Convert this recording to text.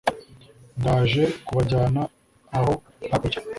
Ndaje kubajyana aho hakurya